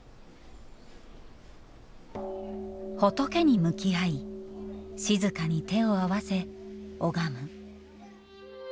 仏に向き合い静かに手を合わせ、拝む。